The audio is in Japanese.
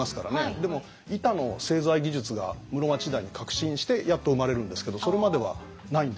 でも板の製材技術が室町時代に革新してやっと生まれるんですけどそれまではないんですよ。